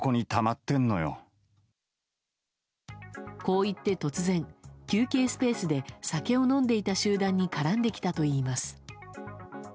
こう言って突然休憩スペースで酒を飲んでいた集団に絡んできたといいます。